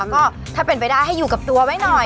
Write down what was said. ก็ถ้าเป็นไปได้ให้อยู่กับตัวไว้หน่อย